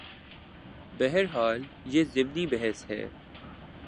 بہرحال یہ ضمنی بحث ہے۔